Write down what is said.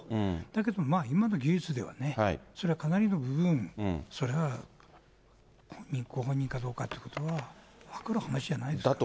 だけどまあ、今の技術ではそれはかなりの部分、それがご本人かどうかというのは、分かる話じゃないですかね。